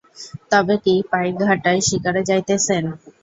তবে কি পাইকঘাটায় শিকারে যাইতেছেন?